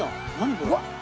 これ。